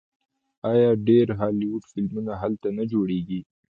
آیا ډیر هالیوډ فلمونه هلته نه جوړیږي؟